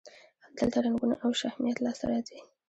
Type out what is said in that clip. دلته رنګونه او شهمیات لاسته راځي.